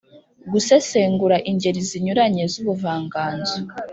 Gusesengura ingeri zinyuranye z’ubuvanganzo